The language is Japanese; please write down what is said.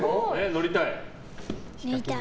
乗りたい。